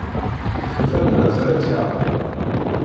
Tufa lbaz ara tt-yaɣen.